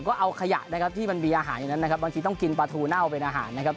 ก็เอาขยะนะครับที่มันมีอาหารอยู่นั้นนะครับบางทีต้องกินปลาทูเน่าเป็นอาหารนะครับ